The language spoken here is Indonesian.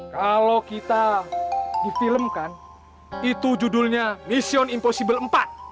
kalau kita difilmkan itu judulnya mission impossible empat